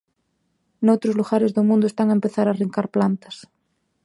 Noutros lugares do mundo están a empezar a arrincar plantas.